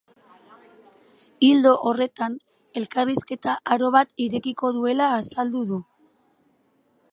Ildo horretan, elkarrizketa aro bat irekiko duela azaldu du.